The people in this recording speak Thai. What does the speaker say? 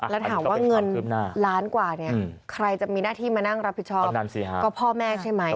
แล้วถามว่าเงินล้านกว่าเนี่ยใครจะมีหน้าที่มานั่งรับผิดชอบก็พ่อแม่ใช่ไหม